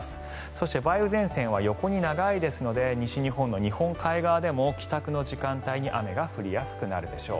そして梅雨前線は横に長いですので西日本の日本海側でも帰宅の時間帯に雨が降りやすくなるでしょう。